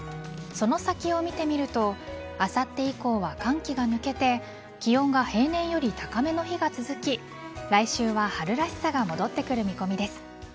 その先を見てみるとあさって以降は寒気が抜けて気温が平年より高めの日が続き来週は春らしさが戻ってくる見込みです。